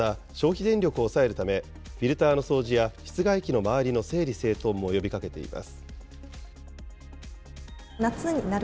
また、消費電力を抑えるため、フィルターの掃除や室外機の周りの整理整頓も呼びかけています。